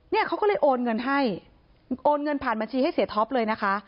เนี่ยเขาก็เลยโอนเงินให้โอนเงินผ่านบัญชีให้เสียท็อปเลยนะคะ